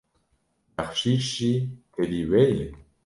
Bexşîş jî tevî wê ye?